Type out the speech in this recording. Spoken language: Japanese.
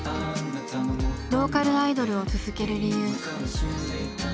ローカルアイドルを続ける理由。